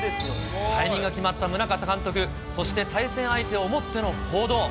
退任が決まった宗像監督、そして対戦相手を思っての行動。